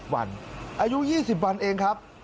วันอายุ๒๐วันเองครับ